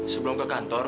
sebelum ke kantor